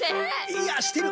いやしてる！